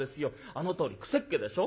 あのとおり癖っ毛でしょ？